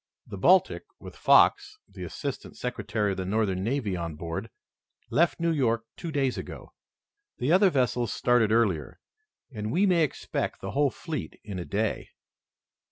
The Baltic, with Fox, the assistant secretary of the Northern Navy, on board, left New York two days ago. The other vessels started earlier, and we may expect the whole fleet in a day."